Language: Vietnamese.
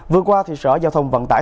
vừa qua sở giao thông vận tải